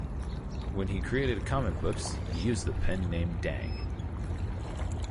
When he created comic books, he used the pen name Dang.